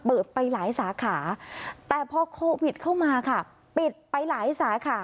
เปิดไปหลายสาขาแต่พอโควิดเข้ามาค่ะ